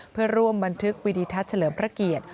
เพื่อร่วมบันทึกวิดีทัศน์เฉลิมพระเกียรติ